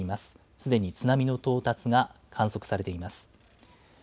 すでに津波の到達が観測されています。